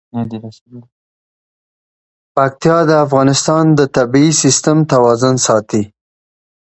پکتیا د افغانستان د طبعي سیسټم توازن ساتي.